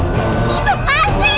susah banget sih